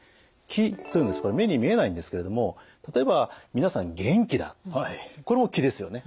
気というのはこれ目に見えないんですけれども例えば皆さん元気だこれも気ですよね？